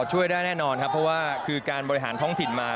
ช่วยได้แน่นอนครับเพราะว่าคือการบริหารท้องถิ่นมา